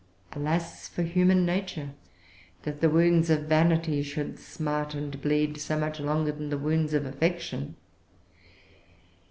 Alas, for human nature, that the wounds of vanity should smart and bleed so much longer than the wounds of affection!